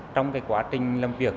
trong quá trình làm việc